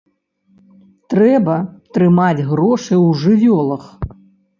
Трэба трымаць грошы ў жывёлах.